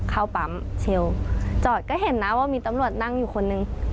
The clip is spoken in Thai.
เข้าปั๊มเชลจอดก็เห็นนะว่ามีตำรวจนั่งอยู่คนนึง